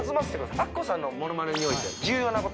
アッコさんのモノマネにおいて重要なこと。